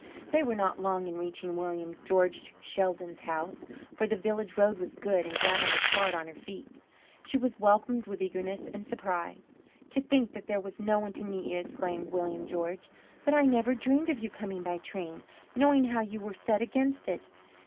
They were not long in reaching William George Sheldon's house, for the village road was good and Grandma was smart on her feet. She was welcomed with eagerness and surprise. "To think that there was no one to meet you!" exclaimed William George. "But I never dreamed of your coming by train, knowing how you were set against it.